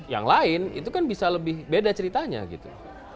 yang lain itu kan bisa lebih beda ceritanya gitu